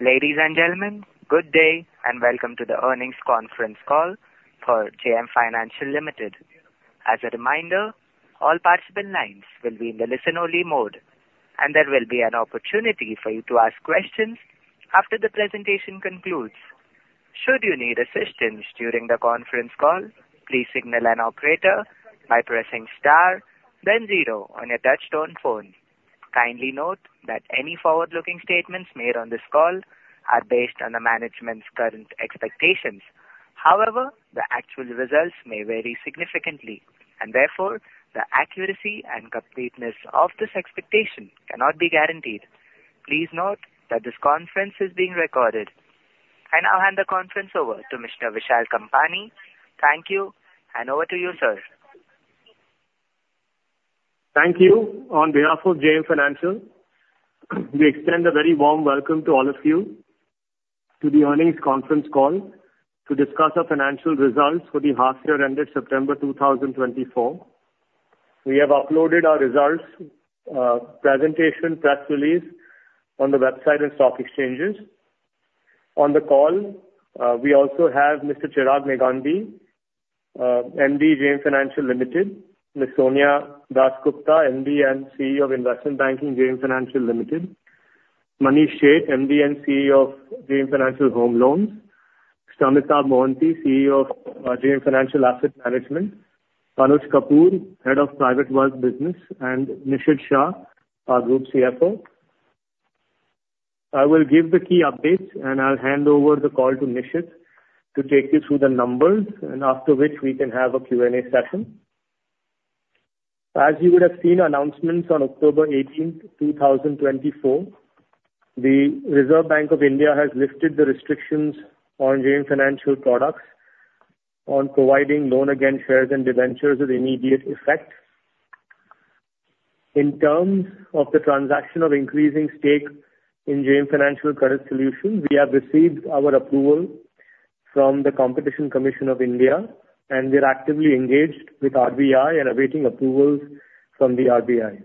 Ladies and gentlemen, good day, and welcome to the earnings conference call for JM Financial Limited. As a reminder, all participant lines will be in the listen-only mode, and there will be an opportunity for you to ask questions after the presentation concludes. Should you need assistance during the conference call, please signal an operator by pressing star then zero on your touchtone phone. Kindly note that any forward-looking statements made on this call are based on the management's current expectations. However, the actual results may vary significantly, and therefore, the accuracy and completeness of this expectation cannot be guaranteed. Please note that this conference is being recorded. I now hand the conference over to Mr. Vishal Kampani. Thank you, and over to you, sir. Thank you. On behalf of JM Financial, we extend a very warm welcome to all of you to the earnings conference call to discuss our financial results for the half year ended September 2024. We have uploaded our results, presentation, press release on the website and stock exchanges. On the call, we also have Mr. Chirag Negandhi, MD, JM Financial Limited; Ms. Sonia Dasgupta, MD and CEO of Investment Banking, JM Financial Limited; Manish Sheth, MD and CEO of JM Financial Home Loans; Amitabh Mohanty, CEO of JM Financial Asset Management; Anuj Kapoor, Head of Private Wealth Business; and Nishit Shah, our Group CFO. I will give the key updates, and I'll hand over the call to Nishit to take you through the numbers, and after which we can have a Q&A session. As you would have seen announcements on October 18th, 2024, the Reserve Bank of India has lifted the restrictions on JM Financial Products on providing loan-against shares and debentures with immediate effect. In terms of the transaction of increasing stake in JM Financial Credit Solutions, we have received our approval from the Competition Commission of India, and we're actively engaged with RBI and awaiting approvals from the RBI.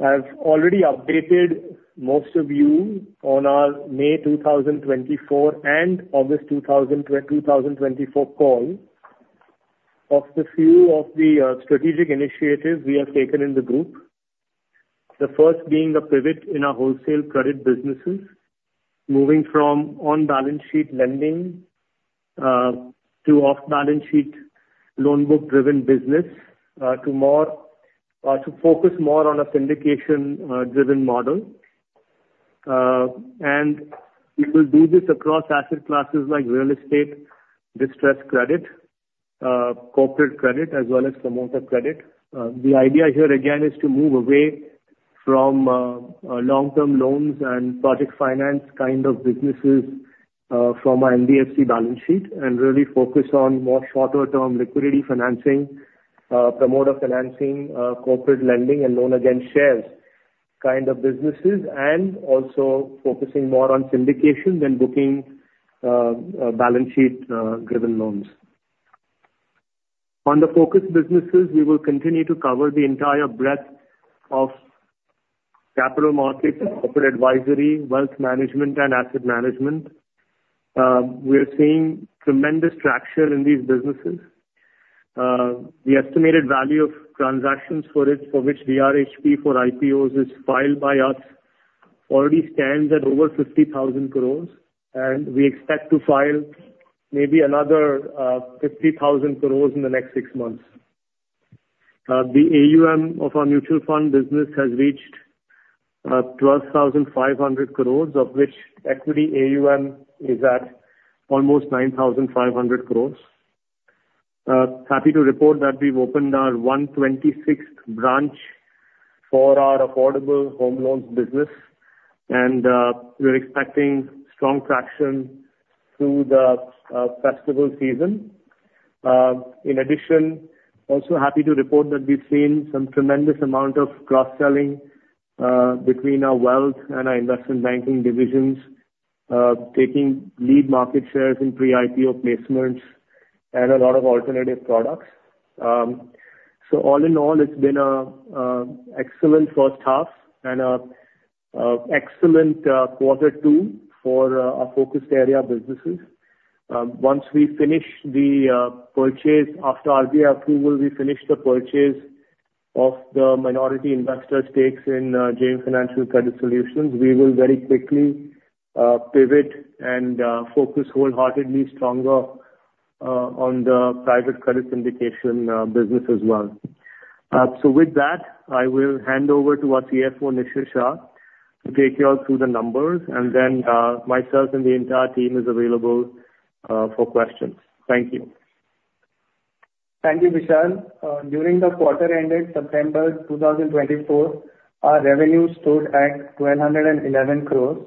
I've already updated most of you on our May 2024 and August 2024 call of the few of the strategic initiatives we have taken in the group. The first being the pivot in our wholesale credit businesses, moving from on-balance sheet lending to off-balance sheet loan book-driven business to more to focus more on a syndication driven model. And we will do this across asset classes like real estate, distressed credit, corporate credit as well as promoter credit. The idea here again is to move away from long-term loans and project finance kind of businesses from our NBFC balance sheet and really focus on more shorter term liquidity financing, promoter financing, corporate lending and loan against shares kind of businesses, and also focusing more on syndication than booking balance sheet driven loans. On the focus businesses, we will continue to cover the entire breadth of capital markets, corporate advisory, wealth management and asset management. We are seeing tremendous traction in these businesses. The estimated value of transactions for it, for which DRHP for IPOs is filed by us, already stands at over 50,000 crores, and we expect to file maybe another 50,000 crores in the next six months. The AUM of our mutual fund business has reached 12,500 crores, of which equity AUM is at almost 9,500 crores. Happy to report that we've opened our 126th branch for our affordable home loans business, and we're expecting strong traction through the festival season. In addition, also happy to report that we've seen some tremendous amount of cross-selling between our wealth and our investment banking divisions, taking lead market shares in pre-IPO placements and a lot of alternative products. All in all, it's been an excellent first half and an excellent quarter two for our focused area businesses. Once we finish the purchase of the minority investor stakes in JM Financial Credit Solutions after RBI approval, we will very quickly pivot and focus wholeheartedly stronger on the private credit syndication business as well. With that, I will hand over to our CFO, Nishit Shah, to take you all through the numbers, and then myself and the entire team is available for questions. Thank you. Thank you, Vishal. During the quarter ended September 2024, our revenue stood at 211 crores.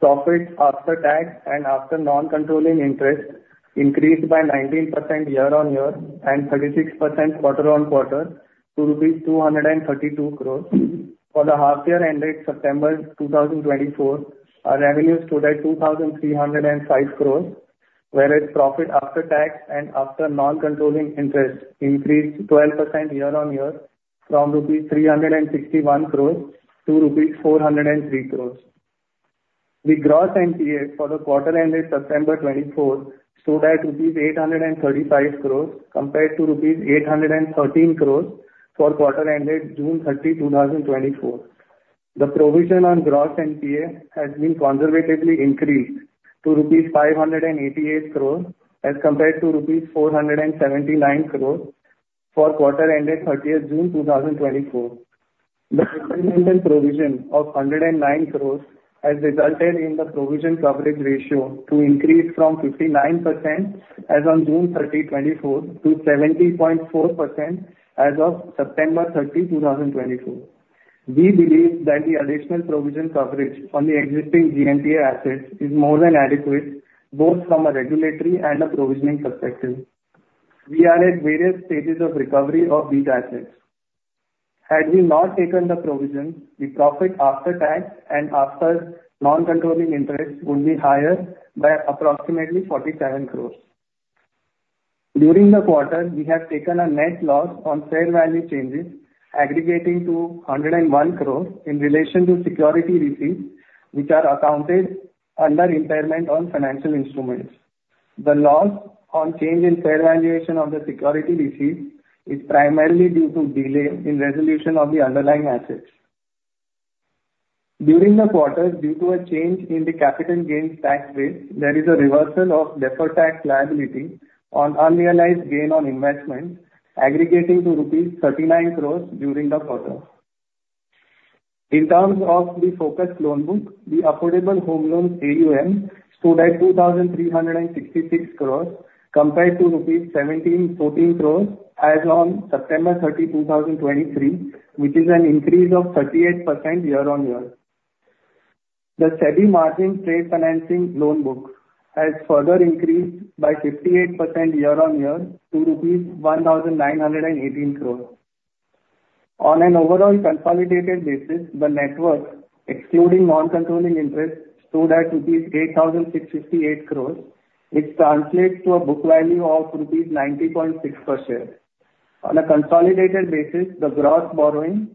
Profits after tax and after non-controlling interest increased by 19% year on year and 36% quarter on quarter, to rupees 232 crores. For the half year ended September 2024, our revenue stood at 2,305 crores, whereas profit after tax and after non-controlling interest increased 12% year-on-year from rupees 361 crores to rupees 403 crores. The gross NPA for the quarter ended September 2024 stood at rupees 835 crores, compared to rupees 813 crores for quarter ended June 30, 2024. The provision on gross NPA has been conservatively increased to rupees 588 crore as compared to rupees 479 crore for quarter ended thirtieth June 2024. The incremental provision of 109 crore has resulted in the provision coverage ratio to increase from 59% as on June 30, 2024, to 70.4% as of September 30, 2024. We believe that the additional provision coverage on the existing GNPA assets is more than adequate, both from a regulatory and a provisioning perspective. We are at various stages of recovery of these assets. Had we not taken the provision, the profit after tax and after non-controlling interest would be higher by approximately 47 crore. During the quarter, we have taken a net loss on fair value changes aggregating to 101 crores in relation to security receipts, which are accounted under impairment on financial instruments. The loss on change in fair valuation of the security receipts is primarily due to delay in resolution of the underlying assets. During the quarter, due to a change in the capital gains tax rate, there is a reversal of deferred tax liability on unrealized gain on investment, aggregating to rupees 39 crores during the quarter. In terms of the focus loan book, the affordable home loans AUM stood at 2,366 crores, compared to rupees 1,714 crores as on September 30, 2023, which is an increase of 38% year-on-year. The SEBI margin trade financing loan book has further increased by 58% year-on-year to rupees 1,918 crores. On an overall consolidated basis, the net worth, excluding non-controlling interest, stood at rupees 8,668 crores, which translates to a book value of rupees 90.6 per share. On a consolidated basis, the gross borrowings,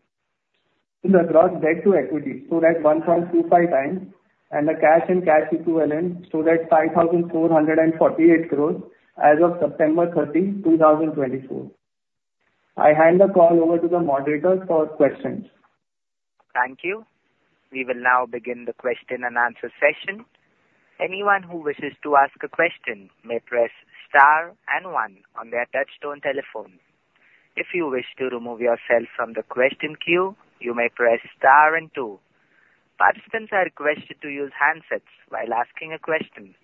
the gross debt to equity stood at 1.25 times, and the cash and cash equivalents stood at 5,448 crores as of September 30, 2024. I hand the call over to the moderator for questions. Thank you. We will now begin the question and answer session. Anyone who wishes to ask a question may press star and one on their touchtone telephone. If you wish to remove yourself from the question queue, you may press star and two. Participants are requested to use handsets while asking a question.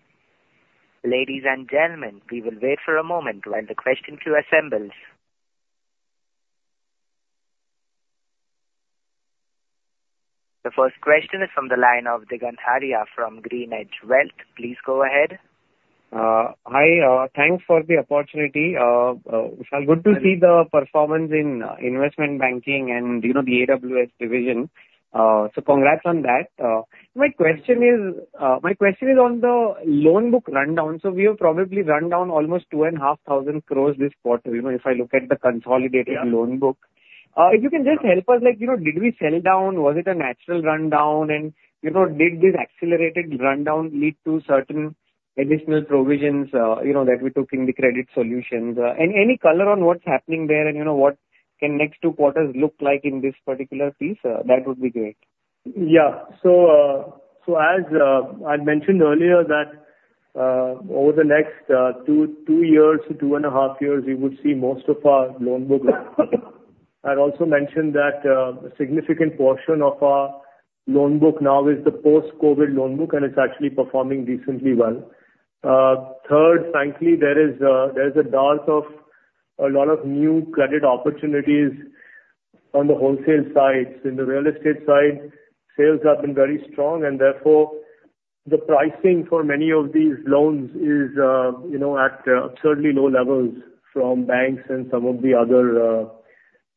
Ladies and gentlemen, we will wait for a moment while the question queue assembles. The first question is from the line of Digant Haria from Green Edge Wealth. Please go ahead. Hi, thanks for the opportunity. It's good to see the performance in investment banking and, you know, the wealth division. So congrats on that. My question is on the loan book rundown. So we have probably run down almost 2,500 crores this quarter, you know, if I look at the consolidated loan book. If you can just help us, like, you know, did we sell down? Was it a natural rundown? And, you know, did this accelerated rundown lead to certain additional provisions, you know, that we took in the credit solutions? And any color on what's happening there, and, you know, what can next two quarters look like in this particular piece? That would be great. Yeah. So, as I mentioned earlier, that over the next two to two and a half years, you would see most of our loan book. I'd also mentioned that a significant portion of our loan book now is the post-COVID loan book, and it's actually performing decently well. Third, frankly, there is a dearth of a lot of new credit opportunities on the wholesale side. In the real estate side, sales have been very strong, and therefore, the pricing for many of these loans is, you know, at absurdly low levels from banks and some of the other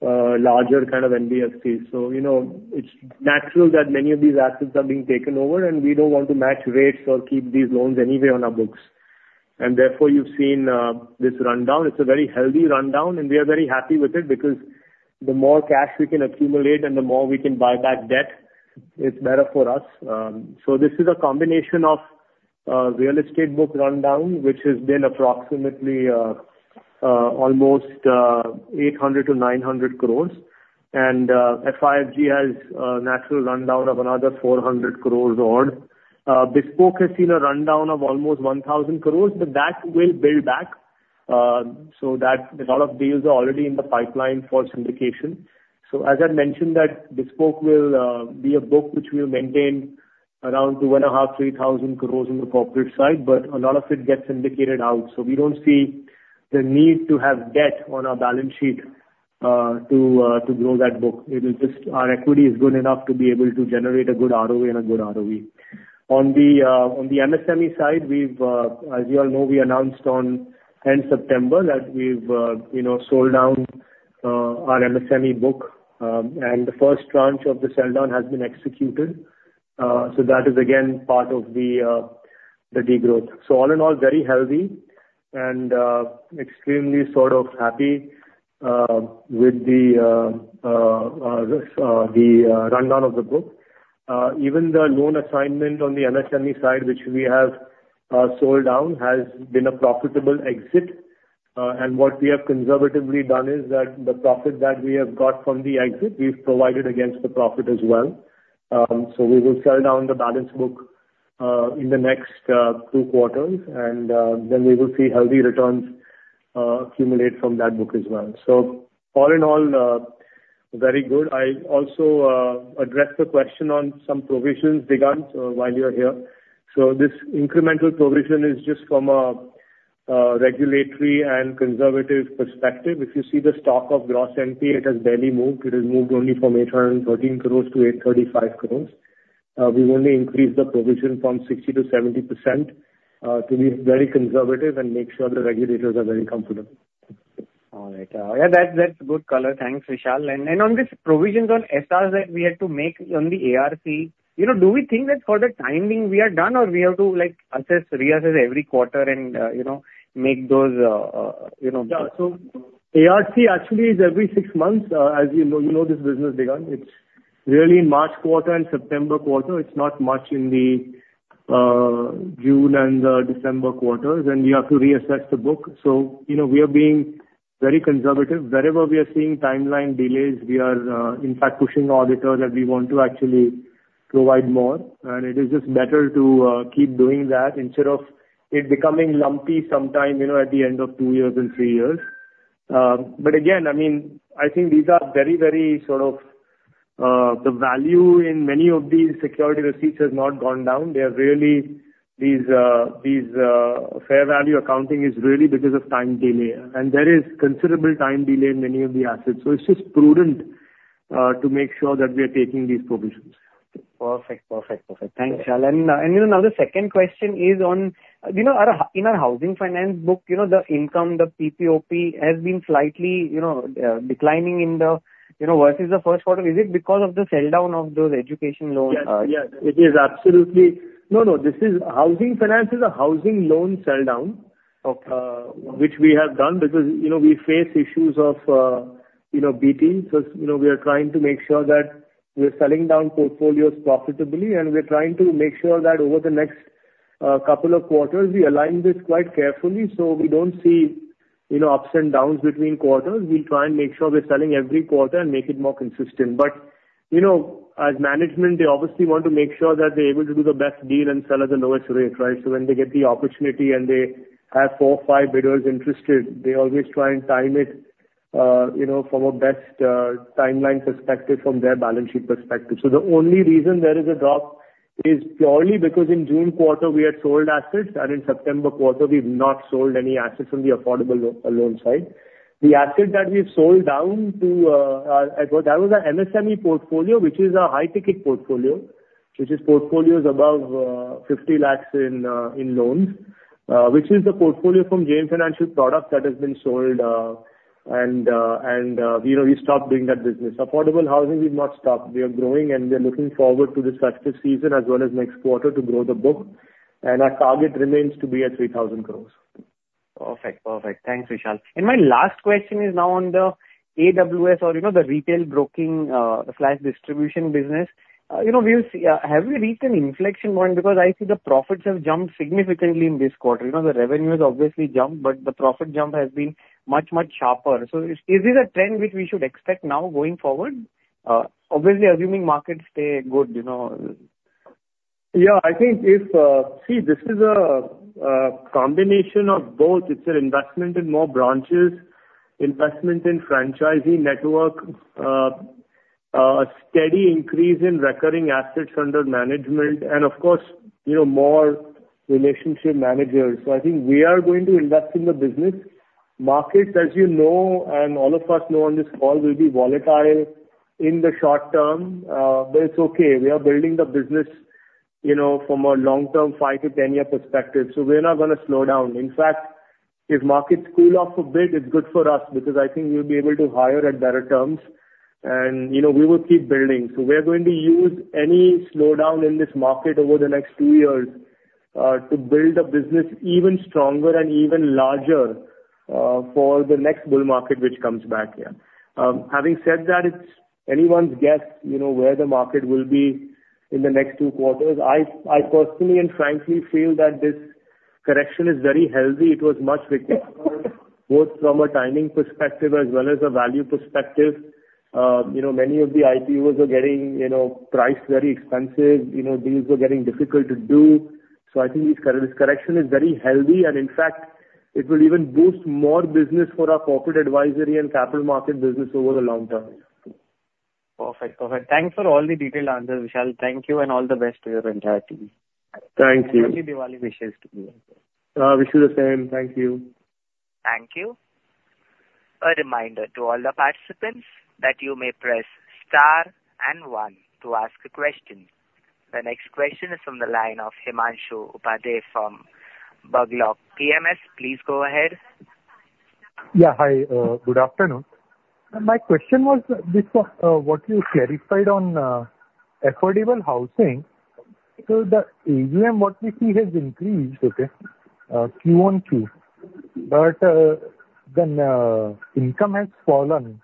larger kind of NBFCs. So, you know, it's natural that many of these assets are being taken over, and we don't want to match rates or keep these loans anyway on our books. Therefore, you've seen this rundown. It's a very healthy rundown, and we are very happy with it because the more cash we can accumulate and the more we can buy back debt, it's better for us. So this is a combination of real estate book rundown, which has been approximately almost 800-900 crores, and FIG has a natural rundown of another 400 crores odd. Bespoke has seen a rundown of almost 1,000 crores, but that will build back. So that a lot of deals are already in the pipeline for syndication. So as I mentioned, that Bespoke will be a book which we maintain around 2.5-3,000 crores in the corporate side, but a lot of it gets syndicated out, so we don't see the need to have debt on our balance sheet to grow that book. It is just our equity is good enough to be able to generate a good ROE. On the MSME side, as you all know, we announced on end September that we've sold down our MSME book, and the first tranche of the sell down has been executed, so that is again part of the degrowth. All in all, very healthy and extremely sort of happy.... with the rundown of the book. Even the loan assignment on the MSME side, which we have sold down, has been a profitable exit. And what we have conservatively done is that the profit that we have got from the exit, we've provided against the profit as well. So we will sell down the balance book in the next two quarters, and then we will see healthy returns accumulate from that book as well. So all in all, very good. I also address the question on some provisions, Digant, while you're here. So this incremental provision is just from a regulatory and conservative perspective. If you see the stock of gross NPA, it has barely moved. It has moved only from 813 crores to 835 crores. We've only increased the provision from 60% to 70%, to be very conservative and make sure the regulators are very comfortable. All right. Yeah, that, that's good color. Thanks, Vishal. And on this provisions on SRs that we had to make on the ARC, you know, do we think that for the timing we are done, or we have to, like, assess, reassess every quarter and, you know, make those, you know- Yeah. So ARC actually is every six months. As you know, you know this business, Digant. It's really March quarter and September quarter. It's not much in the June and the December quarters, and we have to reassess the book. So, you know, we are being very conservative. Wherever we are seeing timeline delays, we are in fact pushing auditors that we want to actually provide more. And it is just better to keep doing that instead of it becoming lumpy sometime, you know, at the end of two years and three years. But again, I mean, I think these are very, very sort of the value in many of these security receipts has not gone down. Fair value accounting is really because of time delay, and there is considerable time delay in many of the assets, so it's just prudent to make sure that we are taking these provisions. Perfect. Perfect. Perfect. Thanks, Vishal. And, you know, now the second question is on, you know, our in our housing finance book, you know, the income, the PPOP has been slightly, you know, declining in the, you know, versus the first quarter. Is it because of the sell down of those education loans? Yes. Yes. It is absolutely... No, no, this is housing finance is a housing loan sell down- Okay. which we have done because, you know, we face issues of, you know, beating. So, you know, we are trying to make sure that we're selling down portfolios profitably, and we are trying to make sure that over the next, couple of quarters, we align this quite carefully, so we don't see, you know, ups and downs between quarters. We try and make sure we're selling every quarter and make it more consistent. But, you know, as management, they obviously want to make sure that they're able to do the best deal and sell at the lowest rate, right? So when they get the opportunity and they have four, five bidders interested, they always try and time it, you know, from a best, timeline perspective, from their balance sheet perspective. So the only reason there is a drop is purely because in June quarter we had sold assets, and in September quarter, we've not sold any assets on the affordable loan side. The asset that we've sold down to, that was our MSME portfolio, which is a high-ticket portfolio, which is portfolios above 50 lakhs in loans, which is the portfolio from JM Financial Products that has been sold, and you know, we stopped doing that business. Affordable housing, we've not stopped. We are growing, and we are looking forward to the festive season as well as next quarter to grow the book, and our target remains to be at 3,000 crores. Perfect. Perfect. Thanks, Vishal. And my last question is now on the AWS or, you know, the retail broking slash distribution business. You know, we have, have we reached an inflection point? Because I see the profits have jumped significantly in this quarter. You know, the revenue has obviously jumped, but the profit jump has been much, much sharper. So is this a trend which we should expect now going forward? Obviously assuming markets stay good, you know. Yeah, I think if... See, this is a combination of both. It's an investment in more branches, investment in franchising network, steady increase in recurring assets under management and of course, you know, more relationship managers. So I think we are going to invest in the business. Markets, as you know, and all of us know on this call, will be volatile in the short term, but it's okay. We are building the business, you know, from a long-term five- to 10-year perspective, so we're not gonna slow down. In fact, if markets cool off a bit, it's good for us because I think we'll be able to hire at better terms, and, you know, we will keep building. So we are going to use any slowdown in this market over the next two years to build a business even stronger and even larger for the next bull market which comes back here. Having said that, it's anyone's guess, you know, where the market will be in the next two quarters. I personally and frankly feel that this correction is very healthy. It was much required, both from a timing perspective as well as a value perspective. You know, many of the IPOs are getting, you know, priced very expensive. You know, deals were getting difficult to do. So I think this correction is very healthy, and in fact, it will even boost more business for our corporate advisory and capital market business over the long term. Perfect. Perfect. Thanks for all the detailed answers, Vishal. Thank you, and all the best to your entire team. Thank you. Happy Diwali wishes to you. Wish you the same. Thank you. Thank you. A reminder to all the participants that you may press star and one to ask a question. The next question is from the line of Himanshu Upadhyay from Berggruen PMS. Please go ahead. Yeah, hi, good afternoon. My question was this, what you clarified on affordable housing. So the AUM what we see has increased, okay, Q on Q, but then income has fallen,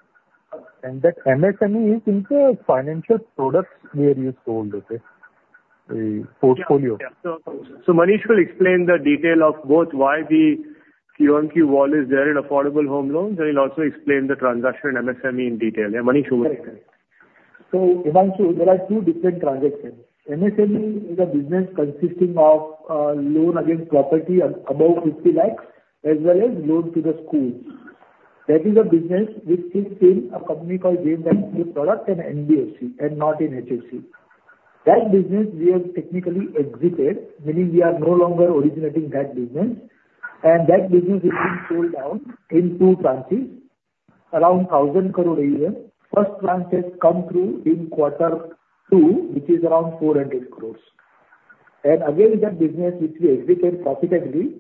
and that MSME is into financial products where you sold, okay, the portfolio. Yeah, yeah. So, Manish will explain the detail of both why the Q on Q fall is there in affordable home loans, and he'll also explain the transaction MSME in detail. Yeah, Manish, over to you. So, Himanshu, there are two different transactions. MSME is a business consisting of loan against property above 50 lakhs, as well as loan to the schools. That is a business which is in a company called JM Financial Products Limited and NBFC and not in HFC. That business we have technically exited, meaning we are no longer originating that business, and that business has been sold down in two tranches, around 1,000 crore AUM. First tranche has come through in quarter two, which is around 400 crores. And again, that business which we exited profitably,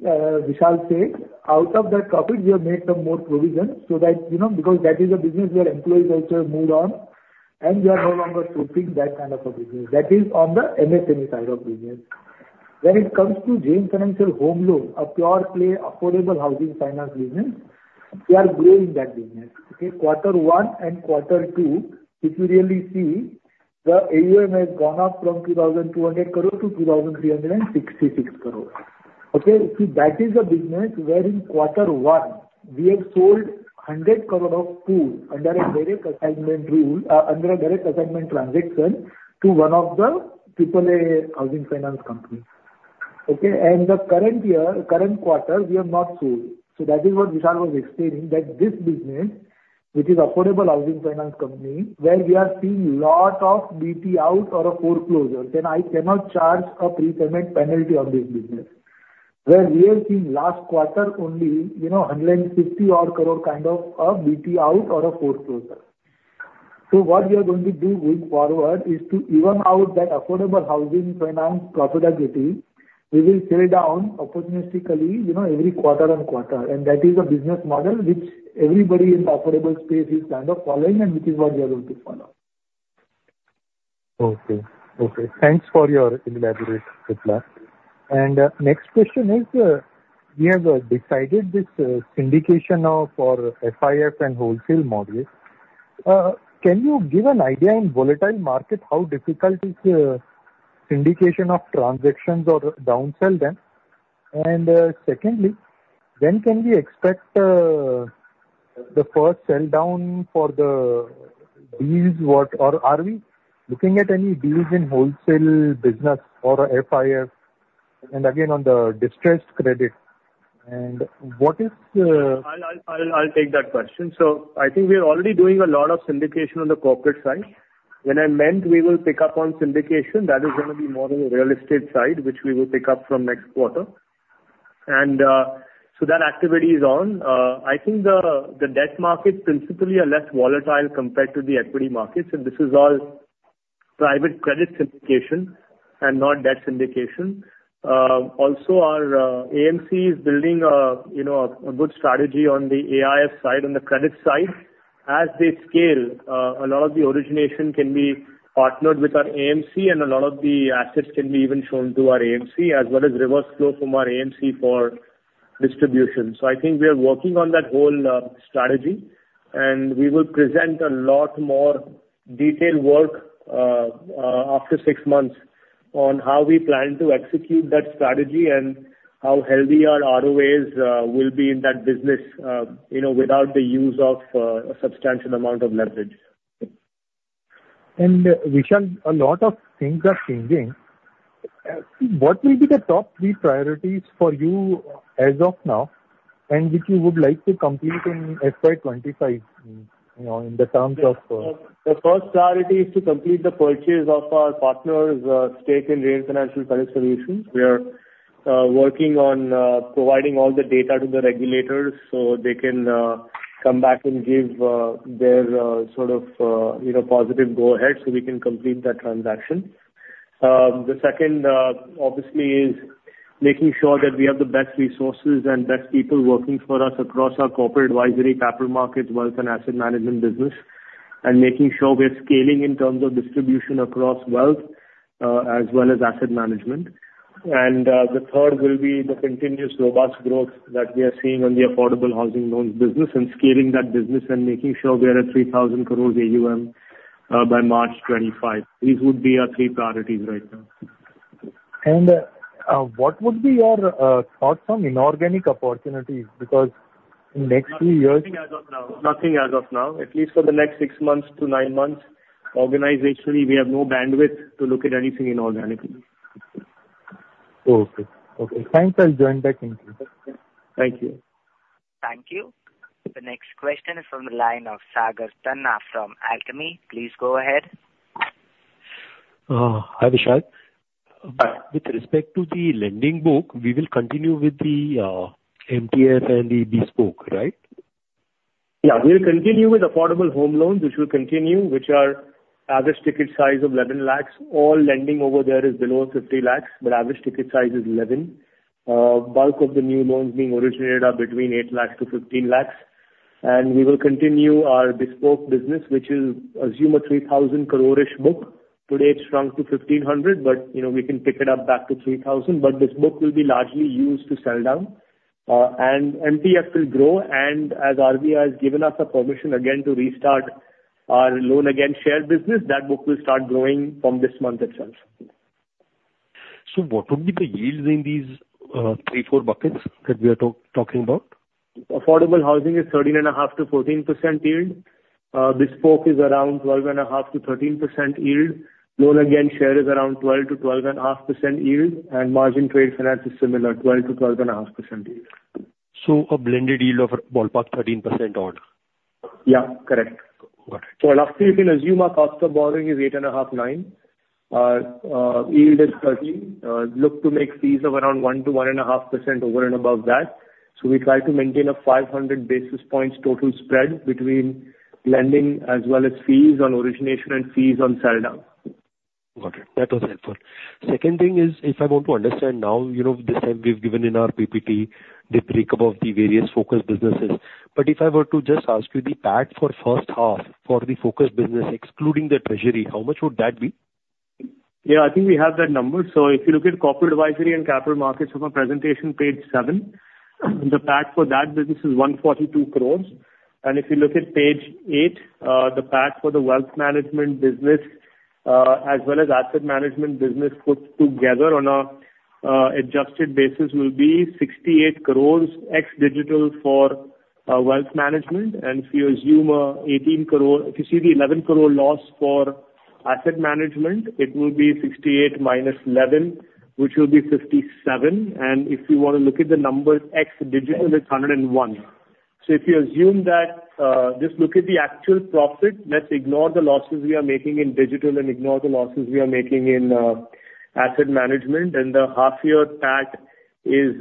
Vishal said, out of that profit, we have made some more provision so that, you know, because that is a business where employees also have moved on, and we are no longer suiting that kind of a business. That is on the MSME side of the business. When it comes to JM Financial Home Loans, a pure play, affordable housing finance business, we are growing that business. Okay? Quarter one and quarter two, if you really see, the AUM has gone up from 2,200 crore to 2,366 crore. Okay, see, that is a business where in quarter one, we have sold 100 crore of pool under a direct assignment route, under a direct assignment transaction to one of the AAA housing finance company. Okay? And the current year, current quarter, we have not sold. So that is what Vishal was explaining, that this business, which is affordable housing finance company, where we are seeing a lot of BT out or a foreclosure, then I cannot charge a prepayment penalty on this business. Where we have seen last quarter only, you know, 150 odd crore, kind of, BT out or a foreclosure. So what we are going to do going forward is to even out that affordable housing finance profitability, we will sell down opportunistically, you know, every quarter on quarter, and that is a business model which everybody in affordable space is kind of following, and which is what we are going to follow. Okay. Okay, thanks for your elaborate reply. And next question is, we have decided this syndication now for FIF and wholesale model. Can you give an idea in volatile market, how difficult is syndication of transactions or downsell them? And secondly, when can we expect the first sell down for the deals? Or are we looking at any deals in wholesale business or FIF? And again, on the distressed credit, and what is I'll take that question. So I think we are already doing a lot of syndication on the corporate side. When I meant we will pick up on syndication, that is gonna be more on the real estate side, which we will pick up from next quarter. And so that activity is on. I think the debt markets principally are less volatile compared to the equity markets, and this is all private credit syndication and not debt syndication. Also, our AMC is building, you know, a good strategy on the AIF side, on the credit side. As they scale, a lot of the origination can be partnered with our AMC, and a lot of the assets can be even shown to our AMC, as well as reverse flow from our AMC for distribution. So I think we are working on that whole strategy, and we will present a lot more detailed work after six months on how we plan to execute that strategy and how healthy our ROAs will be in that business, you know, without the use of a substantial amount of leverage. And, Vishal, a lot of things are changing. What will be the top three priorities for you as of now, and which you would like to complete in FY twenty-five, you know, in the terms of, The first priority is to complete the purchase of our partner's stake in JM Financial Credit Solutions. We are working on providing all the data to the regulators so they can come back and give their sort of you know positive go-ahead, so we can complete that transaction. The second obviously is making sure that we have the best resources and best people working for us across our corporate advisory, capital markets, wealth and asset management business, and making sure we're scaling in terms of distribution across wealth as well as asset management. And the third will be the continuous robust growth that we are seeing on the affordable housing loans business, and scaling that business and making sure we are at three thousand crore AUM by March 25. These would be our three priorities right now. What would be your thoughts on inorganic opportunities? Because in next two years- Nothing as of now. Nothing as of now, at least for the next six months to nine months, organizationally, we have no bandwidth to look at anything inorganically. Okay. Okay, thanks. I'll join back in later. Thank you. Thank you. The next question is from the line of Sagar Tanna from Alchemie. Please go ahead. Hi, Vishal. Hi. With respect to the lending book, we will continue with the MTS and the Bespoke, right? Yeah, we'll continue with Affordable Home Loans, which will continue, which are average ticket size of 11 lakhs. All lending over there is below 50 lakhs, but average ticket size is 11. Bulk of the new loans being originated are between 8 lakhs to 15 lakhs, and we will continue our Bespoke Lending business, which is assume a 3,000 crore-ish book. Today, it's shrunk to 1,500, but, you know, we can pick it up back to 3,000. But this book will be largely used to sell down. And MTF will grow, and as RBI has given us the permission again to restart our Loan Against Shares business, that book will start growing from this month itself. So what would be the yields in these three, four buckets that we are talking about? Affordable housing is 13.5%-14% yield. Bespoke is around 12.5%-13% yield. Loan against share is around 12%-12.5% yield, and margin trade finance is similar, 12%-12.5% yield. So a blended yield of ballpark 13% odd? Yeah, correct. Got it. So last year, you can assume our cost of borrowing is 8.5,9. Yield is 13. Look to make fees of around 1%-1.5% over and above that. So we try to maintain a 500 basis points total spread between lending as well as fees on origination and fees on sell down. Got it. That was helpful. Second thing is, if I want to understand now, you know, this time we've given in our PPT, the breakup of the various focus businesses. But if I were to just ask you the PAT for first half for the focus business, excluding the treasury, how much would that be? Yeah, I think we have that number. So if you look at corporate advisory and capital markets on our presentation, page seven, the PAT for that business is 142 crores. And if you look at page eight, the PAT for the wealth management business, as well as asset management business put together on a adjusted basis will be 68 crores ex digital for wealth management. And if you assume eighteen crore if you see the eleven crore loss for asset management, it will be 68 minus 11, which will be 57. And if you wanna look at the numbers ex digital, it's 101. So if you assume that, just look at the actual profit, let's ignore the losses we are making in digital and ignore the losses we are making in asset management, then the half-year PAT is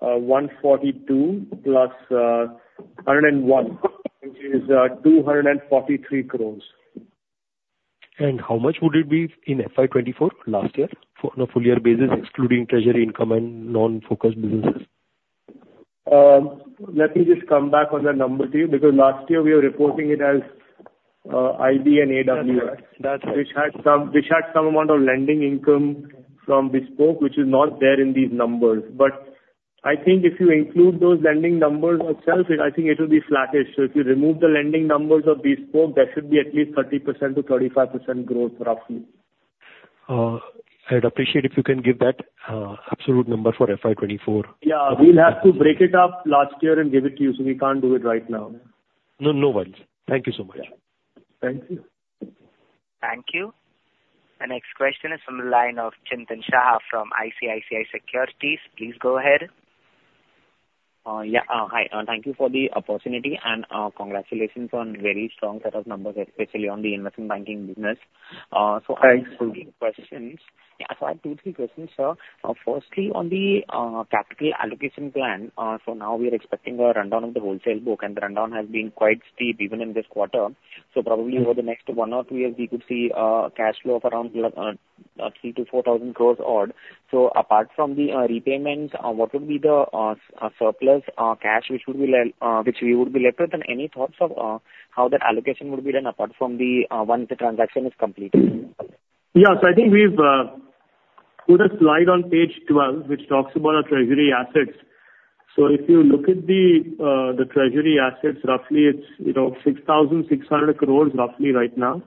142 plus 101, which is 243 crores. How much would it be in FY 2024, last year, for on a full year basis, excluding treasury income and non-focused businesses? Let me just come back on that number to you, because last year we were reporting it as IB and AWS That's right. Which had some amount of lending income from bespoke, which is not there in these numbers. But I think if you include those lending numbers itself, I think it will be flattish. So if you remove the lending numbers of bespoke, there should be at least 30%-35% growth roughly. I'd appreciate if you can give that, absolute number for FY 2024. Yeah. We'll have to break it up last year and give it to you, so we can't do it right now. No, no worries. Thank you so much. Thank you. Thank you. The next question is from the line of Chintan Shah from ICICI Securities. Please go ahead. Yeah, hi, thank you for the opportunity and, congratulations on very strong set of numbers, especially on the investment banking business. So I have- Thanks. I have two, three questions, sir. Firstly, on the capital allocation plan, so now we are expecting a rundown of the wholesale book, and the rundown has been quite steep even in this quarter. So probably over the next one or two years, we could see cash flow of around 3,000 crores-4,000 crores odd. So apart from the repayments, what would be the surplus cash which we would be left with? And any thoughts of how that allocation would be done apart from once the transaction is completed? Yeah. So I think we've put a slide on page 12, which talks about our treasury assets. So if you look at the treasury assets, roughly it's, you know, 6,600 crores, roughly right now.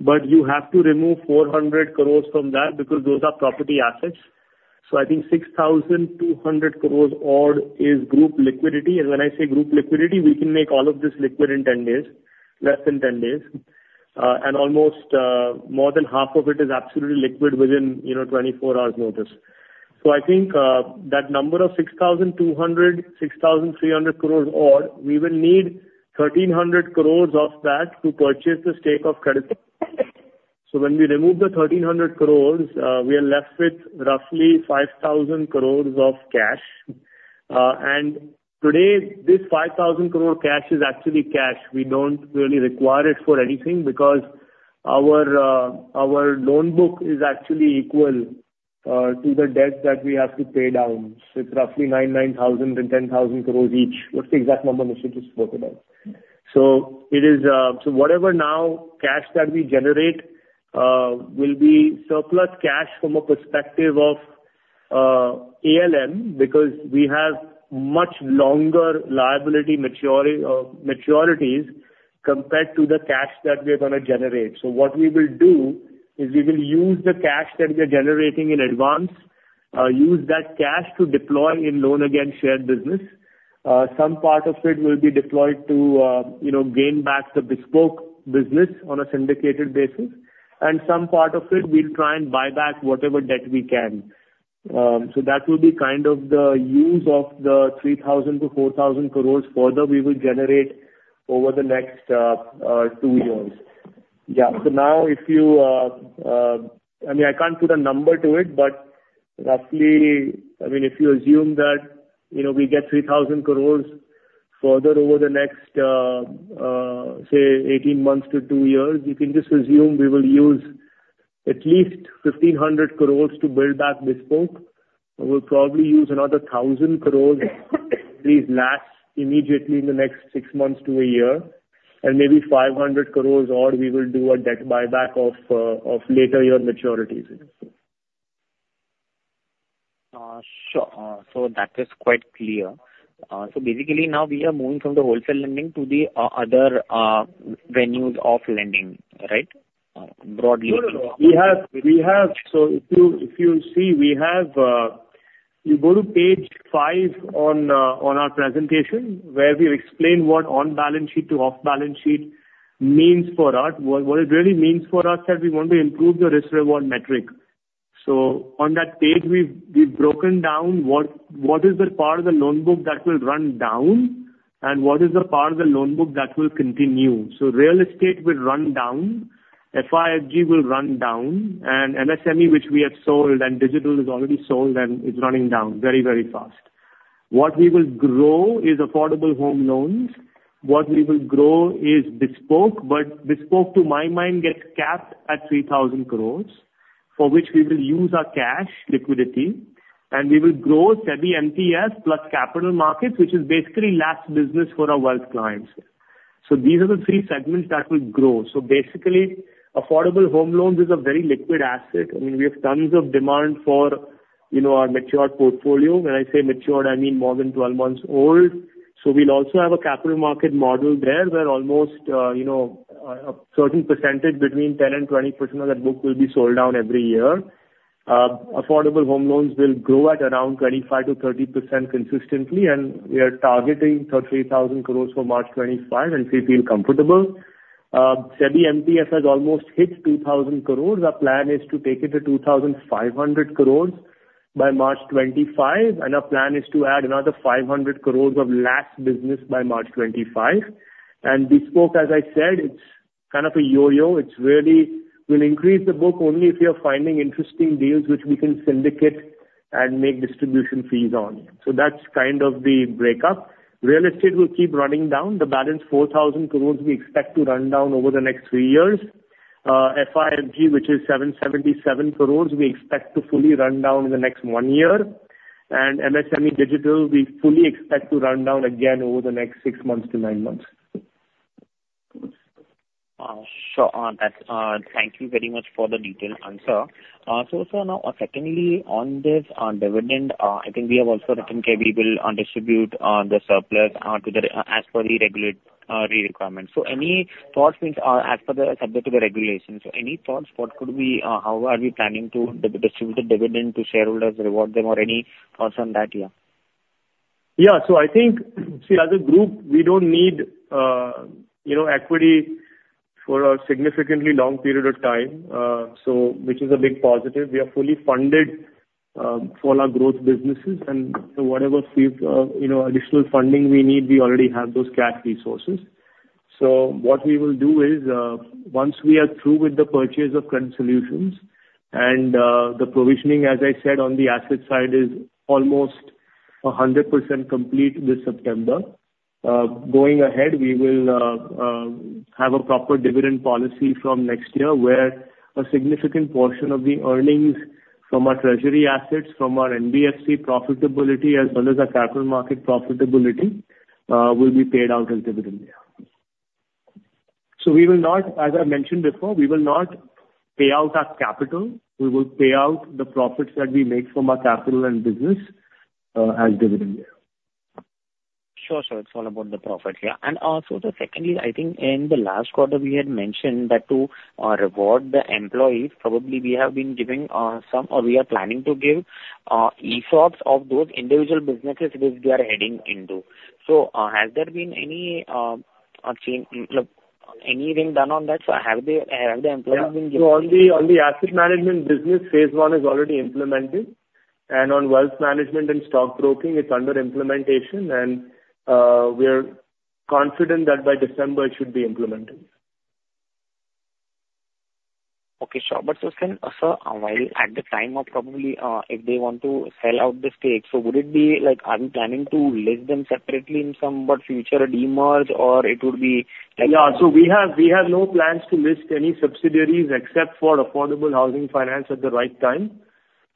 But you have to remove 400 crores from that because those are property assets. So I think 6,200 crores odd is group liquidity. And when I say group liquidity, we can make all of this liquid in 10 days, less than 10 days. And almost more than half of it is absolutely liquid within, you know, 24 hours' notice. I think that number of 6,200, 6,300 crores odd. We will need 1,300 crores of that to purchase the stake. So when we remove the 1,300 crores, we are left with roughly 5,000 crores of cash. And today, this 5,000 crore cash is actually cash. We don't really require it for anything because our loan book is actually equal to the debt that we have to pay down. So it's roughly 9,000 and 10,000 crores each. What's the exact number Nishit just spoke about? So it is. So whatever now cash that we generate will be surplus cash from a perspective of ALM, because we have much longer liability maturities compared to the cash that we are gonna generate. So what we will do is we will use the cash that we are generating in advance, use that cash to deploy in Loan Against Shares business. Some part of it will be deployed to, you know, gain back the bespoke business on a syndicated basis, and some part of it we'll try and buy back whatever debt we can. So that will be kind of the use of the 3,000 crores-4,000 crores further we will generate over the next two years. Yeah. So now if you I mean, I can't put a number to it, but roughly, I mean, if you assume that, you know, we get 3,000 crores further over the next say eighteen months to two years, you can just assume we will use at least 1,500 crores to build back bespoke. We'll probably use another 1,000 crores to LAS immediately in the next six months to a year, and maybe 500 crores, or we will do a debt buyback of later year maturities. Sure. So that is quite clear. So basically now we are moving from the wholesale lending to the other avenues of lending, right? Broadly. No, no, no. We have, so if you see, we have, you go to page five on our presentation, where we explain what on balance sheet to off balance sheet means for us. What it really means for us, that we want to improve the risk-reward metric. So on that page, we've broken down what is the part of the loan book that will run down? And what is the part of the loan book that will continue? So real estate will run down, FIFG will run down, and MSME, which we have sold, and digital is already sold and is running down very, very fast. What we will grow is affordable home loans. What we will grow is bespoke, but bespoke, to my mind, gets capped at 3,000 crores, for which we will use our cash liquidity, and we will grow SEBI MTS plus capital markets, which is basically LAS business for our wealth clients. So these are the three segments that will grow. So basically, affordable home loans is a very liquid asset. I mean, we have tons of demand for, you know, our matured portfolio. When I say matured, I mean more than 12 months old. So we'll also have a capital market model there, where almost, you know, a certain percentage between 10% and 20% of that book will be sold down every year. Affordable home loans will grow at around 25%-30% consistently, and we are targeting 30,000 crores for March 2025, and we feel comfortable. SEBI MTS has almost hit 2,000 crores. Our plan is to take it to 2,500 crores by March 2025, and our plan is to add another 500 crores of LAS business by March 2025. Bespoke, as I said, it's kind of a yo-yo. It's really, we'll increase the book only if we are finding interesting deals which we can syndicate and make distribution fees on. So that's kind of the breakup. Real estate will keep running down. The balance 4,000 crores we expect to run down over the next three years. FIFG, which is 777 crores, we expect to fully run down in the next one year. MSME digital, we fully expect to run down again over the next six months to nine months. Sure. That's... Thank you very much for the detailed answer. So now, secondly, on this, on dividend, I think we have also written, okay, we will distribute the surplus to the as per the regulatory requirement. So any thoughts, means, as per the, subject to the regulations, so any thoughts? What could we, how are we planning to distribute the dividend to shareholders, reward them, or any thoughts on that year? Yeah, so I think, see, as a group, we don't need, you know, equity for a significantly long period of time, so which is a big positive. We are fully funded, for our growth businesses, and so whatever fee, you know, additional funding we need, we already have those cash resources. So what we will do is, once we are through with the purchase of Credit Solutions and, the provisioning, as I said, on the asset side is almost 100% complete this September. Going ahead, we will, have a proper dividend policy from next year, where a significant portion of the earnings from our treasury assets, from our NBFC profitability, as well as our capital market profitability, will be paid out as dividend, yeah. So we will not, as I mentioned before, we will not pay out our capital. We will pay out the profits that we make from our capital and business, as dividend year. Sure, sure. It's all about the profit, yeah. And, so the secondly, I think in the last quarter, we had mentioned that to reward the employees, probably we have been giving some, or we are planning to give ESOPs of those individual businesses which we are heading into. So, has there been any change, look, anything done on that? So have the, have the employees been given- So on the asset management business, phase one is already implemented, and on wealth management and stockbroking, it's under implementation and we are confident that by December it should be implemented. Okay, sure. But so can, sir, while at the time of probably, if they want to sell out the stake, so would it be like, are we planning to list them separately in some, what, future demerger, or it would be like- Yeah, so we have no plans to list any subsidiaries except for Affordable Housing Finance at the right time.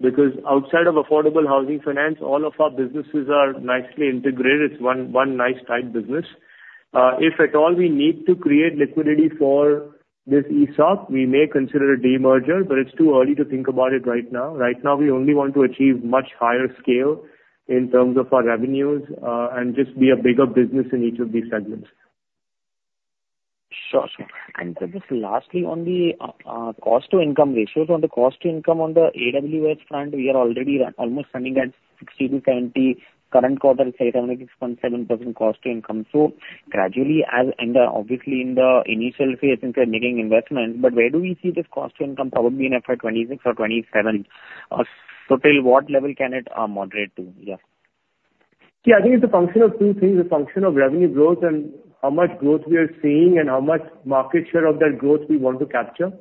Because outside of Affordable Housing Finance, all of our businesses are nicely integrated. It's one nice, tight business. If at all we need to create liquidity for this ESOP, we may consider a demerger, but it's too early to think about it right now. Right now, we only want to achieve much higher scale in terms of our revenues, and just be a bigger business in each of these segments. Sure, sure. And just lastly, on the cost to income ratios. On the cost to income on the AWS front, we are already almost running at 60%-70%; current quarter is 86.7% cost to income. So gradually, as and obviously in the initial phase, I think we're making investments, but where do we see this cost to income probably in FY 2026 or 2027? So till what level can it moderate to? Yeah. Yeah, I think it's a function of two things: the function of revenue growth and how much growth we are seeing, and how much market share of that growth we want to capture.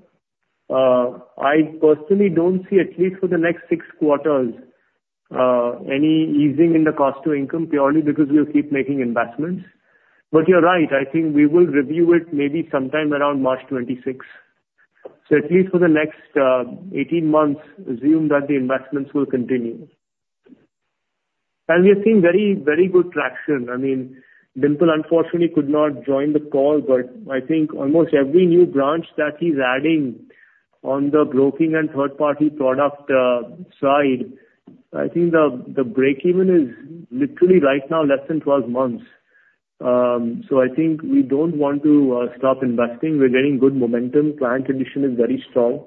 I personally don't see, at least for the next six quarters, any easing in the cost to income purely because we'll keep making investments. But you're right, I think we will review it maybe sometime around March 2026. So at least for the next 18 months, assume that the investments will continue. And we have seen very, very good traction. I mean, Dimple unfortunately could not join the call, but I think almost every new branch that he's adding on the broking and third party product side, I think the breakeven is literally right now less than 12 months. So I think we don't want to stop investing. We're getting good momentum. Client addition is very strong.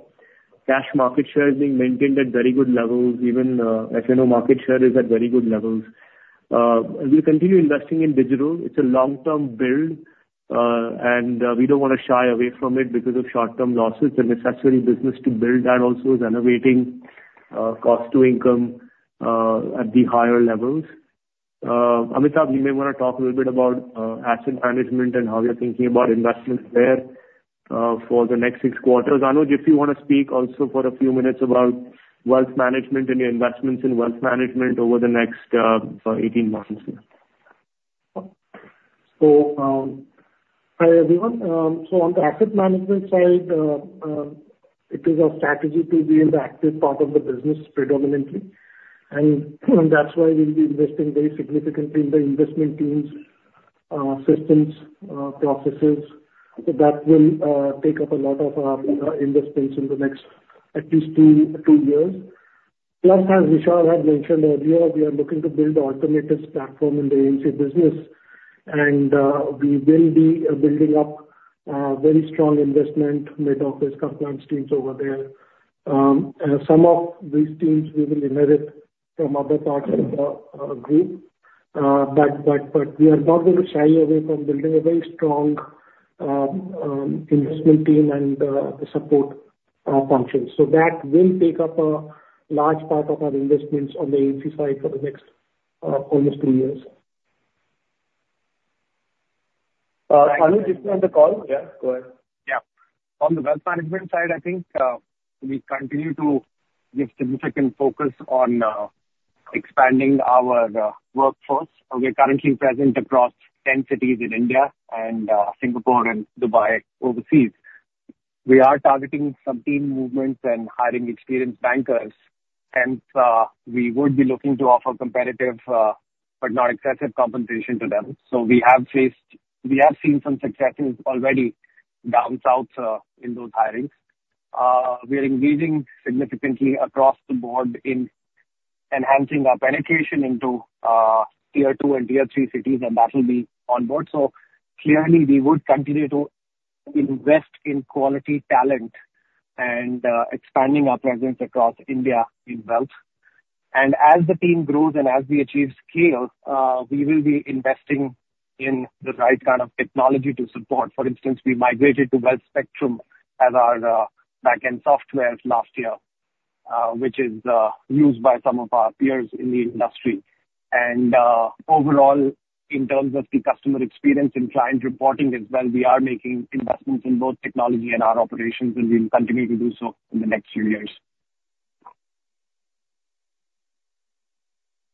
Cash market share is being maintained at very good levels, even FNO market share is at very good levels. We continue investing in digital. It's a long-term build, and we don't wanna shy away from it because of short-term losses. It's a necessary business to build that also is renovating cost to income at the higher levels. Amitabh, you may wanna talk a little bit about asset management and how we are thinking about investments there for the next six quarters. Anuj, if you wanna speak also for a few minutes about wealth management and your investments in wealth management over the next eighteen months. Hi, everyone. On the asset management side, it is our strategy to be in the active part of the business predominantly, and that's why we'll be investing very significantly in the investment teams, systems, processes, that will take up a lot of our investments in the next at least two years. Plus, as Vishal had mentioned earlier, we are looking to build an alternatives platform in the AMC business, and we will be building up a very strong investment, mid-office, compliance teams over there. Some of these teams we will inherit from other parts of the group, but we are not going to shy away from building a very strong investment team and the support functions. So that will take up a large part of our investments on the AMC side for the next, almost two years. Anuj, you on the call? Yeah, go ahead. Yeah. On the wealth management side, I think, we continue to give significant focus on expanding our workforce. We are currently present across 10 cities in India and Singapore and Dubai overseas. We are targeting some team movements and hiring experienced bankers, and we would be looking to offer competitive, but not excessive compensation to them. So we have faced... We have seen some success already down south in those hirings. We are engaging significantly across the board in enhancing our penetration into tier two and tier three cities, and that will be on board. So clearly, we would continue to invest in quality talent and expanding our presence across India in wealth. And as the team grows and as we achieve scale, we will be investing in the right kind of technology to support. For instance, we migrated to Wealth Spectrum as our back-end software last year, which is used by some of our peers in the industry. And overall, in terms of the customer experience and client reporting as well, we are making investments in both technology and our operations, and we will continue to do so in the next few years.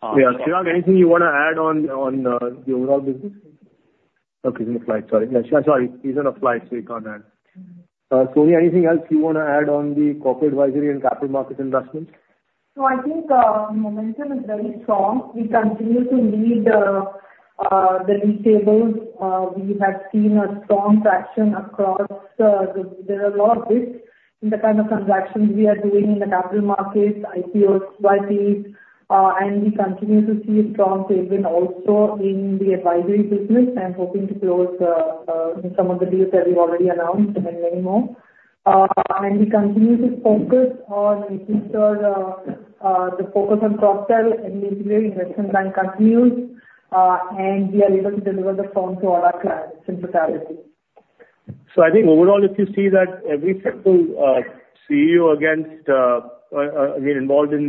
Yeah, Chirag, anything you wanna add on the overall business? Okay, he's in a flight. Sorry. Yeah, sorry, he's on a flight, so he can't add. Sonia, anything else you wanna add on the corporate advisory and capital market investments? So I think momentum is very strong. We continue to lead the league tables. We have seen a strong traction across the. There are a lot of risks in the kind of transactions we are doing in the capital markets, IPOs, and we continue to see a strong momentum also in the advisory business. I'm hoping to close some of the deals that we've already announced and many more. And we continue to focus on making sure the focus on cross-sell and delivery investment bank continues, and we are able to deliver the firm to all our clients in totality. So I think overall, if you see that every single CEO has to get involved in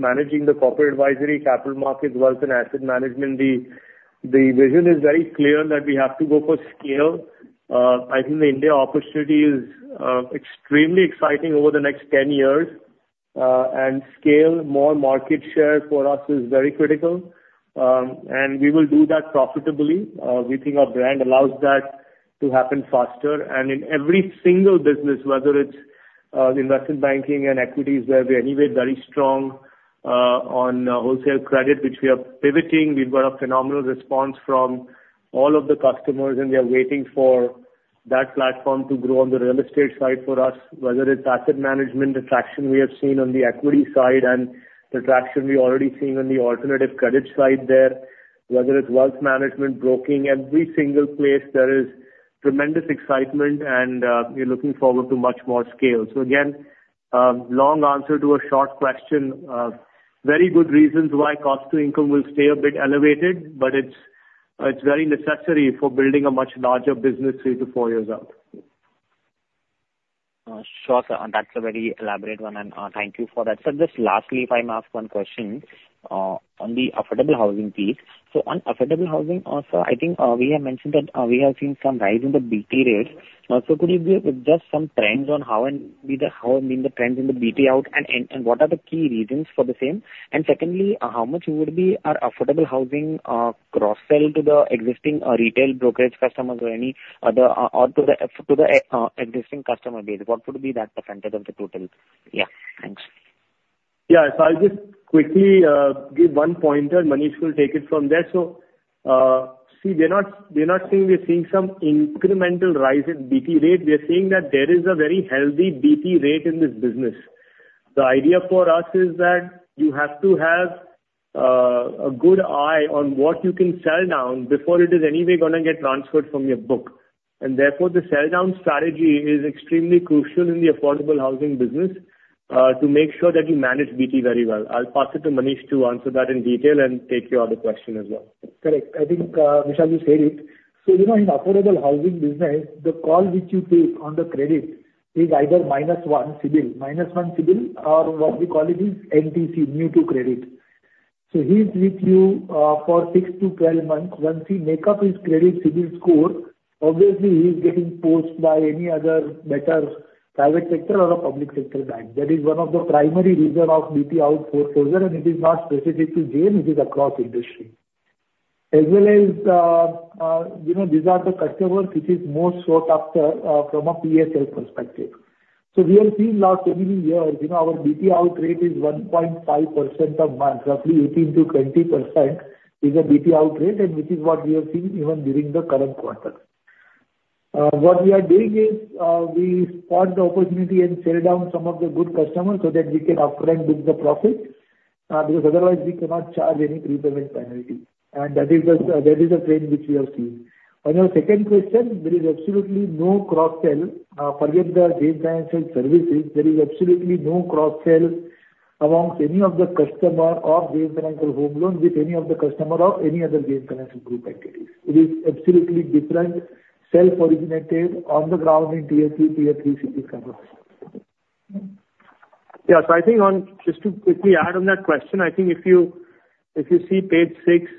managing the corporate advisory, capital markets, wealth and asset management, the vision is very clear that we have to go for scale. I think the India opportunity is extremely exciting over the next 10 years. And scale, more market share for us is very critical, and we will do that profitably. We think our brand allows that to happen faster. And in every single business, whether it's investment banking and equities, where we're anyway very strong, on wholesale credit, which we are pivoting, we've got a phenomenal response from all of the customers, and we are waiting for that platform to grow on the real estate side for us, whether it's asset management, the traction we have seen on the equity side and the traction we've already seen on the alternative credit side there, whether it's wealth management, broking, every single place there is tremendous excitement, and we're looking forward to much more scale. So again, long answer to a short question. Very good reasons why cost to income will stay a bit elevated, but it's very necessary for building a much larger business three to four years out. ... Sure, sir, and that's a very elaborate one, and thank you for that. So just lastly, if I may ask one question on the affordable housing piece. So on affordable housing, so I think we have mentioned that we have seen some rise in the BT rates. So could you give just some trends on how the trends in the BT out, and what are the key reasons for the same? And secondly, how much would be our affordable housing cross-sell to the existing retail brokerage customers or any other or to the existing customer base? What would be that percentage of the total? Yeah, thanks. Yeah, so I'll just quickly give one pointer. Manish will take it from there. So, see, we're not, we're not saying we're seeing some incremental rise in BT rate. We are saying that there is a very healthy BT rate in this business. The idea for us is that you have to have a good eye on what you can sell down before it is anyway gonna get transferred from your book, and therefore, the sell down strategy is extremely crucial in the affordable housing business to make sure that you manage BT very well. I'll pass it to Manish to answer that in detail and take your other question as well. Correct. I think, Vishal, you said it. So, you know, in affordable housing business, the call which you take on the credit is either minus one CIBIL, minus one CIBIL or what we call it is NTC, New to Credit. So he's with you, for six to 12 months. Once he make up his credit CIBIL score, obviously he's getting pushed by any other better private sector or a public sector bank. That is one of the primary reason of BT out for further, and it is not specific to JM, it is across industry. As well as, you know, these are the customers which is more sought after, from a PSA perspective. So we have seen last so many years, you know, our BT out rate is 1.5% per month, roughly 18%-20% is a BT out rate, and which is what we have seen even during the current quarter. What we are doing is, we spot the opportunity and sell down some of the good customers so that we can upfront book the profit, because otherwise we cannot charge any prepayment penalty, and that is the trend which we have seen. On your second question, there is absolutely no cross-sell. Forget the JM Financial Services, there is absolutely no cross-sell amongst any of the customer or JM Financial Home Loans with any of the customer or any other JM Financial group activities. It is absolutely different, self-originated, on the ground in tier two, tier three cities. Yeah. So I think on just to quickly add on that question, I think if you see page six,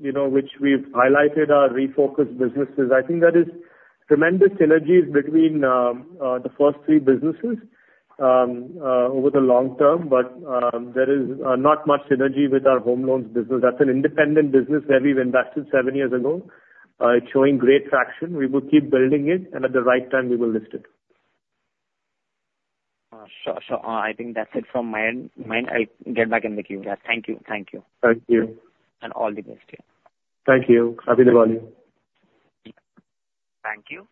you know, which we've highlighted our refocused businesses, I think there is tremendous synergies between the first three businesses over the long term. But there is not much synergy with our home loans business. That's an independent business where we've invested seven years ago. It's showing great traction. We will keep building it, and at the right time, we will list it. Sure. So, I think that's it from my end. I'll get back in with you. Yeah. Thank you. Thank you. Thank you. All the best to you. Thank you. Happy Diwali! Thank you.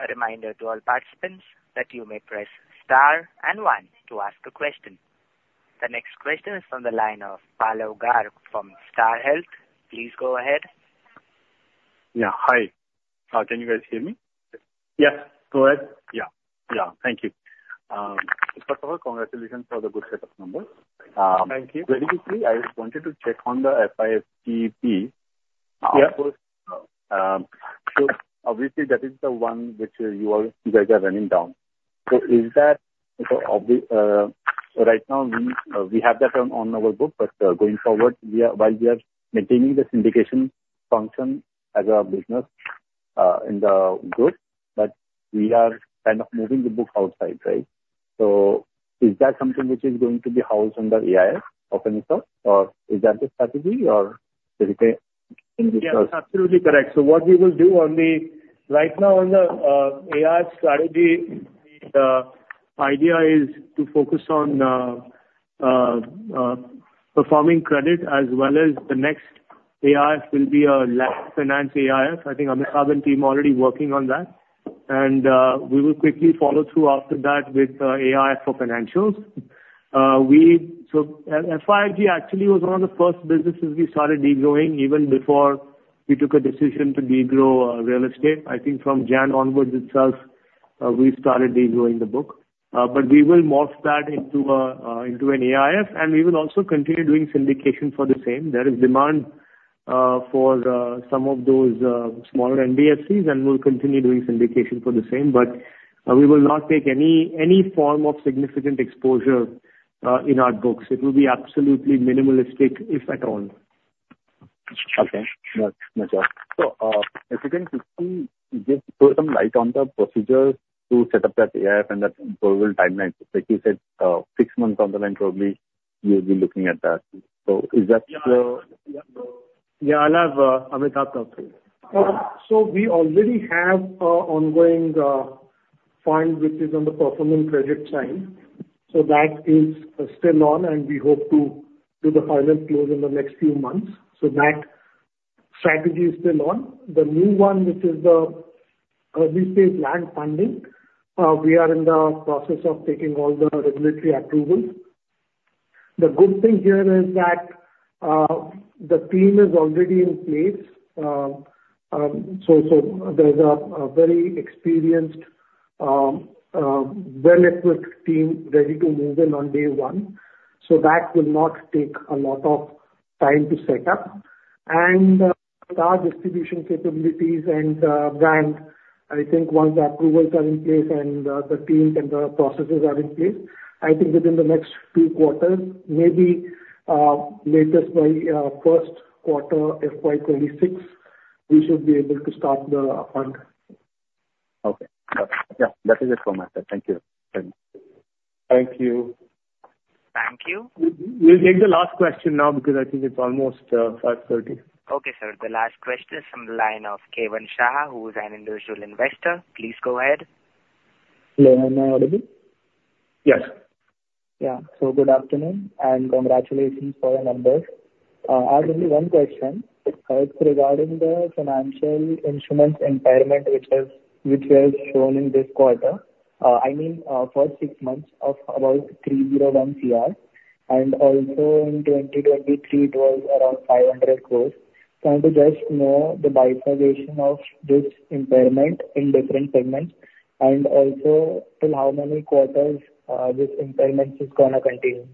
A reminder to all participants that you may press star and One to ask a question. The next question is from the line of Pallav Garg from Star Health. Please go ahead. Yeah, hi. Can you guys hear me? Yeah, go ahead. Yeah, yeah. Thank you. First of all, congratulations on the good set of numbers. Thank you. Very quickly, I just wanted to check on the FIG piece. Yeah. So obviously, that is the one which you all, you guys are running down. So is that right now, we have that on our book, but going forward, we are while we are maintaining the syndication function as a business in the group, but we are kind of moving the book outside, right? So is that something which is going to be housed under AIF of any sort, or is that the strategy or is it a- Yeah, it's absolutely correct. So, what we will do on the... Right now, on the AIF strategy, the idea is to focus on performing credit as well as the next AIF will be our LAS finance AIF. I think Amitabh and team already working on that. And we will quickly follow through after that with AIF for financials. So FIG actually was one of the first businesses we started degrowing, even before we took a decision to degrow real estate. I think from January onwards itself we started degrowing the book. But we will morph that into an AIF, and we will also continue doing syndication for the same. There is demand for some of those smaller NBFCs, and we'll continue doing syndication for the same. But, we will not take any form of significant exposure in our books. It will be absolutely minimalistic, if at all. Okay. No, no, sure. So, if you can quickly just throw some light on the procedures to set up that AIF and the probable timeline. Like you said, six months down the line, probably you'll be looking at that. So is that still- Yeah, I'll have Amitabh talk to you. So we already have an ongoing fund which is on the performing credit side. So that is still on, and we hope to do the final close in the next few months. So that strategy is still on. The new one, which is the lending fund, we are in the process of taking all the regulatory approvals. The good thing here is that the team is already in place. So there's a very experienced well-networked team ready to move in on day one, so that will not take a lot of... time to set up and, our distribution capabilities and, brand, I think once the approvals are in place and, the teams and the processes are in place, I think within the next two quarters, maybe, latest by, first quarter, FY 2026, we should be able to start the fund. Okay. Yeah, that is it for myself. Thank you. Thank you. Thank you. We'll take the last question now, because I think it's almost 5:30 P.M. Okay, sir. The last question is from the line of Keval Shah, who is an individual investor. Please go ahead. Hello, am I audible? Yes. Yeah. So good afternoon and congratulations for your numbers. I have only one question. It's regarding the financial instruments impairment, which was shown in this quarter. I mean, for six months of about 301 crores and also in 2023, it was around 500 crores. Trying to just know the bifurcation of this impairment in different segments and also till how many quarters, this impairment is gonna continue?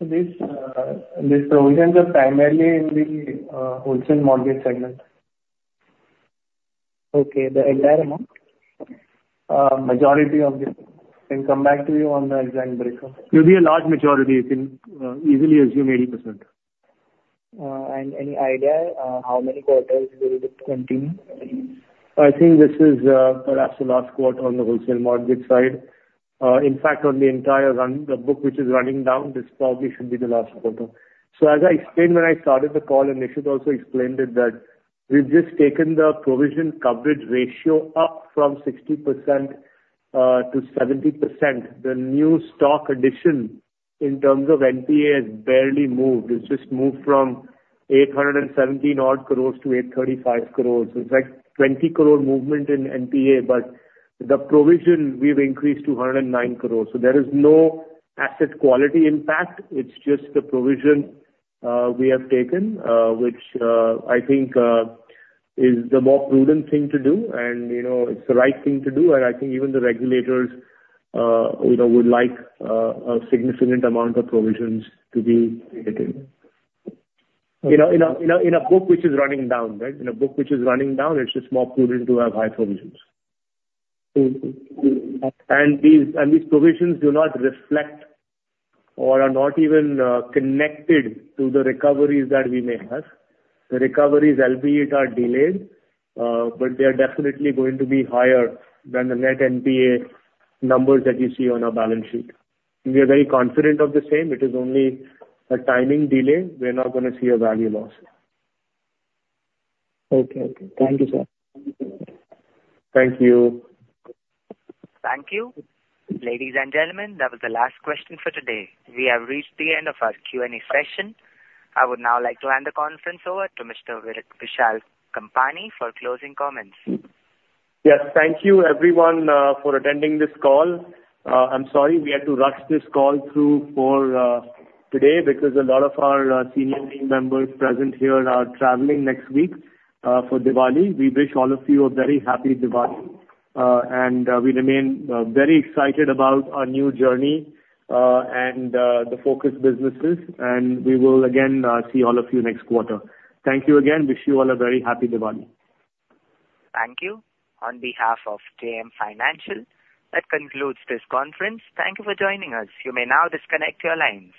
This provisions are primarily in the wholesale mortgage segment. Okay, the entire amount? Majority of it. Can come back to you on the exact breakdown. It'll be a large majority. You can easily assume 80%. And any idea how many quarters will it continue? I think this is perhaps the last quarter on the wholesale mortgage side. In fact, on the entire run, the book, which is running down, this probably should be the last quarter. So as I explained when I started the call, and Nishit also explained it, that we've just taken the provision coverage ratio up from 60% to 70%. The new stock addition in terms of NPA has barely moved. It's just moved from 870 odd crores to 835 crores. It's like 20 crore movement in NPA, but the provision we've increased to 109 crores. So there is no asset quality impact. It's just the provision we have taken, which I think is the more prudent thing to do. And, you know, it's the right thing to do, and I think even the regulators, you know, would like a significant amount of provisions to be taken. You know, in a book which is running down, right? It's just more prudent to have high provisions. Mm-hmm. These provisions do not reflect or are not even connected to the recoveries that we may have. The recoveries, albeit, are delayed, but they are definitely going to be higher than the net NPA numbers that you see on our balance sheet. We are very confident of the same. It is only a timing delay. We're not gonna see a value loss. Okay. Okay. Thank you, sir. Thank you. Thank you. Ladies and gentlemen, that was the last question for today. We have reached the end of our Q&A session. I would now like to hand the conference over to Mr. Vishal Kampani for closing comments. Yes, thank you everyone, for attending this call. I'm sorry we had to rush this call through for today, because a lot of our senior team members present here are traveling next week for Diwali. We wish all of you a very happy Diwali, and we remain very excited about our new journey, and the focus businesses. And we will again see all of you next quarter. Thank you again. Wish you all a very happy Diwali. Thank you. On behalf of JM Financial, that concludes this conference. Thank you for joining us. You may now disconnect your line.